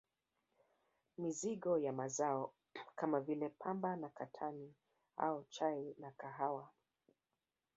Mizigo ya Mazao kama vile Pamba na katani au chai na kahawa